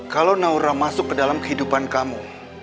kalau naura masuk ke dalam kehidupan kamu